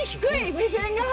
目線が。